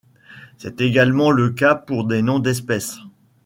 C'est également le cas pour des noms d'espèces.